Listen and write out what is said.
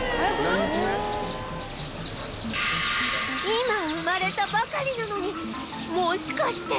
今生まれたばかりなのにもしかして？